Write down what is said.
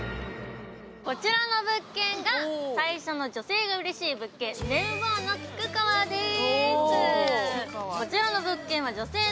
こちらの物件が最初の女性がうれしい物件、ネウボーノ菊川です。